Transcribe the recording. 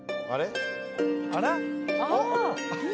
あら？